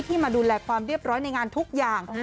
มาดูแลความเรียบร้อยในงานทุกอย่าง